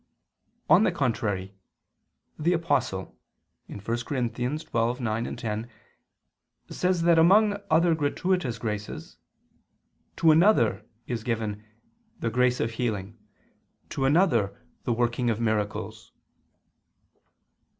On the contrary, The Apostle (1 Cor. 12:9, 10) says that among other gratuitous graces, "to another" is given "the grace of healing ... to another, the working of miracles."